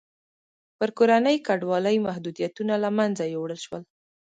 پر کورنۍ کډوالۍ محدودیتونه له منځه یووړل شول.